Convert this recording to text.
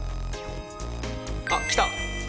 あっ来た。